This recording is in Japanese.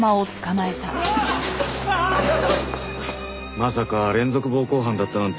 まさか連続暴行犯だったなんて。